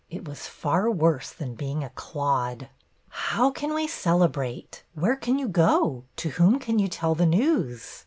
It was far worse than being a " clod." '' How can we celebrate ? Where can you go ? To whom can you tell the news?"